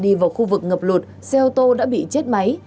đi vào khu vực ngập lụt xe ô tô đã bị chết máy